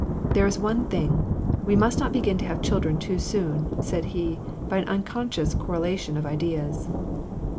" There is one thing, — we must not begin to have children too soon," said he, by an unconscious correlation of ideas.